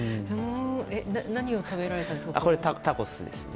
何を食べられたんですか？